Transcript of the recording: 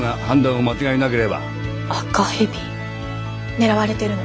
狙われてるの。